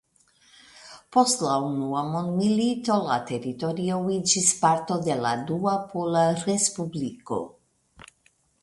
Post la Unua Mondmilito la teritorio iĝis parto de la Dua Pola Respubliko.